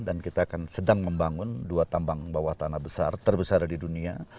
dan kita akan sedang membangun dua tambang bawah tanah besar terbesar di dunia